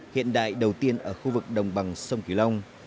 hiện đại đầu tiên ở khu vực đồng bằng sông kiều long